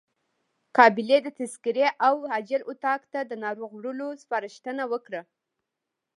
قابلې د تذکرې او عاجل اتاق ته د ناروغ وړلو سپارښتنه وکړه.